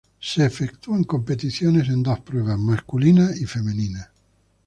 Son efectuadas competiciones en dos pruebas: masculina y femenina.